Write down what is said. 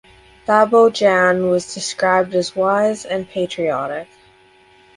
Babo Jan was described as wise and patriotic.